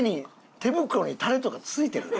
手袋にタレとか付いてるで！